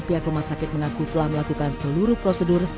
pihak rumah sakit mengaku telah melakukan seluruh prosedur